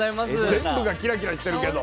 全部がキラキラしてるけど。